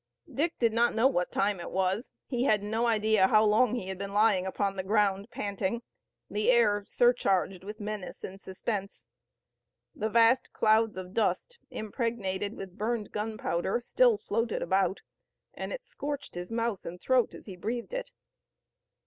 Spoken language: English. Dick did not know what time it was. He had no idea how long he had been lying upon the ground panting, the air surcharged with menace and suspense. The vast clouds of dust, impregnated with burned gunpowder still floated about, and it scorched his mouth and throat as he breathed it.